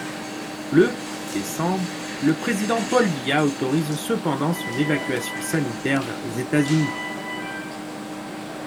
Le décembre, le Président Paul Biya autorise cependant son évacuation sanitaire vers les États-Unis.